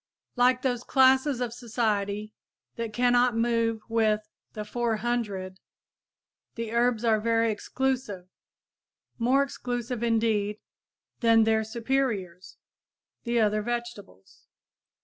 Like those classes of society that cannot move with "the four hundred," the herbs are very exclusive, more exclusive indeed, than their superiors, the other vegetables.